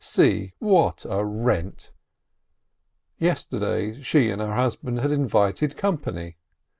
See what a rent ! Yesterday she and her husband had invited company.